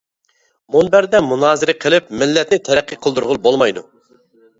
مۇنبەردە مۇنازىرە قىلىپ مىللەتنى تەرەققىي قىلدۇرغىلى بولمايدۇ.